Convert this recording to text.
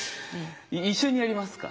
一緒にやりますかね。